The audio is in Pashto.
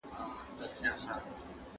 چې بهرني ليوان راځي خاورې به يمه